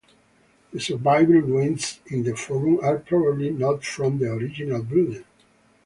The surviving ruins in the forum are probably not from the original building.